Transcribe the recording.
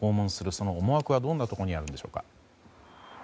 その思惑はどんなところにあるでしょうか。